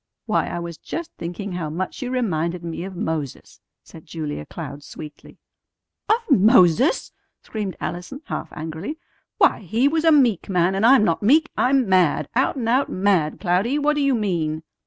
"Why, I was just thinking how much you reminded me of Moses," said Julia Cloud sweetly. "Of Moses!" screamed Allison half angrily. "Why, he was a meek man, and I'm not meek. I'm mad! Out and out mad, Cloudy. What do you mean?"